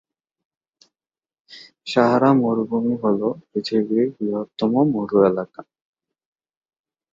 সাহারা মরুভূমি হল পৃথিবীর বৃহত্তম মরু এলাকা।